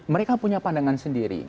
mereka punya pandangan sendiri